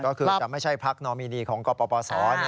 ก็คือจะไม่ใช่พักนอมินีของกปศ